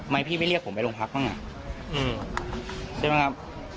พี่ไม่เรียกผมไปโรงพักบ้างอ่ะใช่ไหมครับ